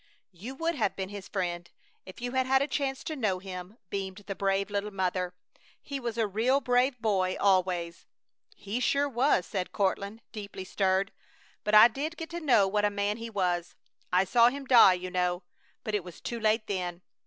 "You would have been his friend if you had had a chance to know him," beamed the brave little mother. "He was a real brave boy always!" "He sure was!" said Courtland, deeply stirred. "But I did get to know what a man he was. I saw him die, you know! But it was too late then!"